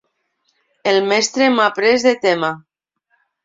El mestre m'ha pres de tema.